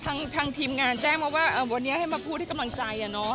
ทางทีมงานแจ้งมาว่าวันนี้ให้มาพูดให้กำลังใจ